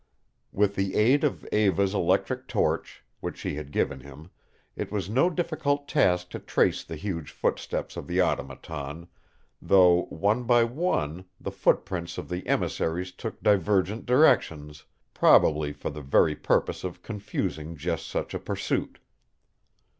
With the aid of Eva's electric torch, which she had given him, it was no difficult task to trace the huge footsteps of the Automaton, though, one by one, the footprints of the emissaries took divergent directions, probably for the very purpose of confusing just such a pursuit.